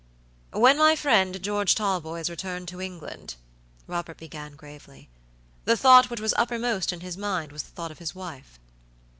"When my friend, George Talboys, returned to England," Robert began, gravely, "the thought which was uppermost in his mind was the thought of his wife."